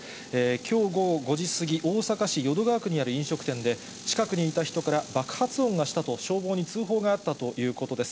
きょう午後５時過ぎ、大阪市淀川区にある飲食店で、近くにいた人から爆発音がしたと消防に通報があったということです。